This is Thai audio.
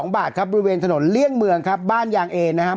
๒บาทครับบริเวณถนนเลี่ยงเมืองครับบ้านยางเอนนะครับ